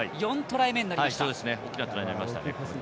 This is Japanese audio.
大きなトライになりました。